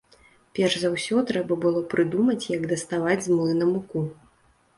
Перш за ўсё трэба было прыдумаць, як даставаць з млына муку.